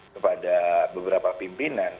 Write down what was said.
kepada beberapa pimpinan